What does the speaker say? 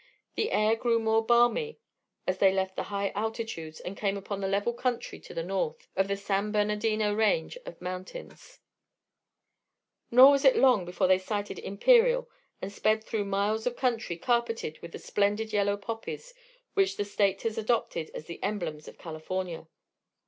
The air grew more balmy as they left the high altitudes and came upon the level country to the north, of the San Bernardino range of mountains, nor was it long before they sighted Imperial and sped through miles of country carpeted with the splendid yellow poppies which the State has adopted as the emblems of California.